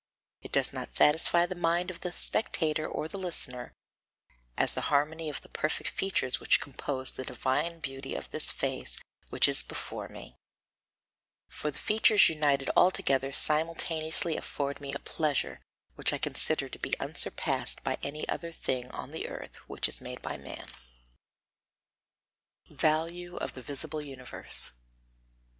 It does not satisfy the mind of the spectator or the listener, as the harmony of the perfect features which compose the divine beauty of this face which is before me; for the features united all together simultaneously afford me a pleasure which I consider to be unsurpassed by any other thing on the earth which is made by man." [Sidenote: Value of the Visible Universe] 21.